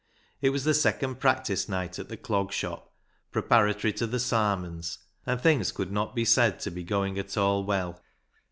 It was the second practice night at the Clog Shop preparatory to the " Sarmons," and things could not be said to be going at all well.